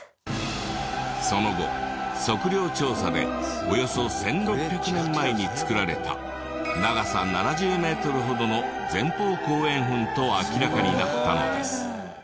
その後測量調査でおよそ１６００年前に造られた長さ７０メートルほどの前方後円墳と明らかになったのです。